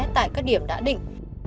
tại các điểm đã định